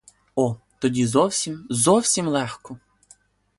О, тоді зовсім, зовсім легко!